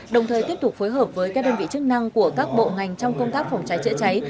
đồng thời tiếp tục phối hợp với các đơn vị chức năng của các bộ ngành trong công tác phòng cháy chữa cháy